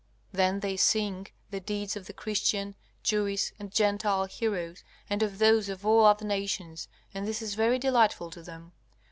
Then they sing the deeds of the Christian, Jewish, and Gentile heroes, and of those of all other nations, and this is very delightful to them.